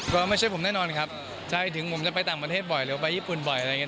ก็ไม่ใช่ผมแน่นอนครับใช่ถึงผมจะไปต่างประเทศบ่อยหรือไปญี่ปุ่นบ่อยอะไรอย่างนี้